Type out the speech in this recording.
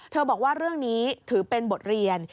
บอกว่าเรื่องนี้ถือเป็นบทเรียน